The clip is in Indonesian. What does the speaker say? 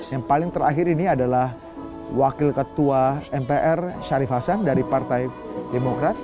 yang paling terakhir ini adalah wakil ketua mpr syarif hasan dari partai demokrat